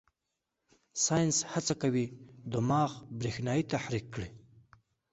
ساینس هڅه کوي دماغ برېښنايي تحریک کړي.